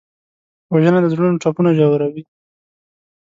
وژنه د زړونو ټپونه ژوروي